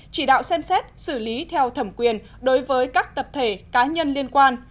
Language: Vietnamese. chỉ đạo xem xét xử lý theo thẩm quyền đối với các tập thể cá nhân liên quan